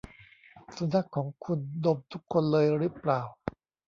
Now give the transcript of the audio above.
สุนัขของคุณดมทุกคนเลยรึเปล่า ?